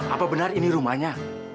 apa benar ini rumahnya